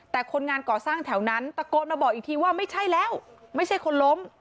แต่คนงานก่อสร้างแถวนั้นตะโกนมาบอกอีกทีว่าไม่ใช่แล้วไม่ใช่คนล้ม